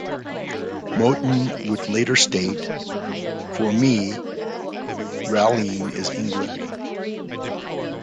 Mouton would later state: For me, rallying is England.